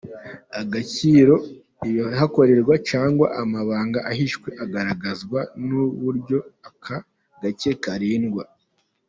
Agaciro k’ibihakorerwa cyangwa amabanga ahahishwe agaragazwa n’uburyo aka gace karindwa.